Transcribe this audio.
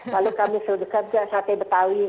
lalu kami sembukan juga sate betawi